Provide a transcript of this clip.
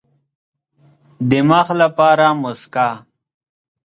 د مخ لپاره موسکا.